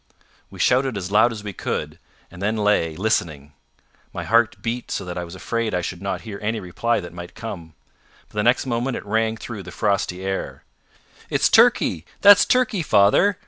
We shouted as loud as we could, and then lay listening. My heart beat so that I was afraid I should not hear any reply that might come. But the next moment it rang through the frosty air. "It's Turkey! That's Turkey, father!"